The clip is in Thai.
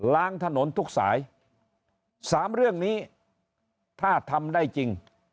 ล้างถนนทุกสายสามเรื่องนี้ถ้าทำได้จริง